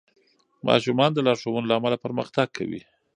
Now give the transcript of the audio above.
ماشومان د لارښوونو له امله پرمختګ کوي.